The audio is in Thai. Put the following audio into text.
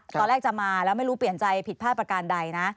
ตอนแรกจะมาแล้วไม่รู้เปลี่ยนใจผิดพลาดประการใดนะ